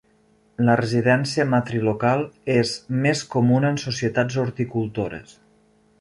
La residència matrilocal és més comuna en societats horticultores.